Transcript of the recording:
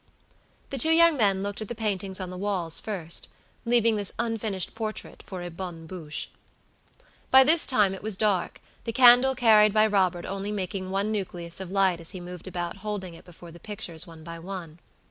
The two young men looked at the paintings on the walls first, leaving this unfinished portrait for a bonne bouche. By this time it was dark, the candle carried by Robert only making one nucleus of light as he moved about holding it before the pictures one by one.